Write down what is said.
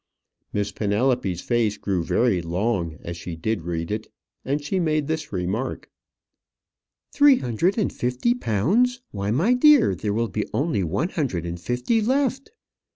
Miss Penelope's face grew very long as she did read it; and she made this remark "Three hundred and fifty pounds! why, my dear, there will be only one hundred and fifty left."